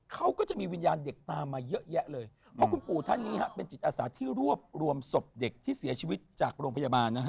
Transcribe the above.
เขาก็จะมีวิญญาณเด็กตามมาเยอะแยะเลยเพราะคุณปู่ท่านนี้ฮะเป็นจิตอาสาที่รวบรวมศพเด็กที่เสียชีวิตจากโรงพยาบาลนะฮะ